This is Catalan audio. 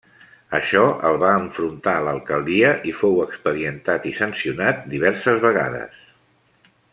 Això el va enfrontar a l'alcaldia i fou expedientat i sancionat diverses vegades.